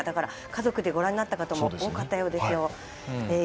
家族でご覧になった方も多かったようですよ。